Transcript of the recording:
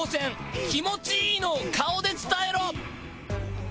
気持ちいいのを顔で伝えろ！